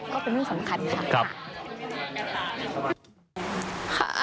ก็เป็นเรื่องสำคัญค่ะ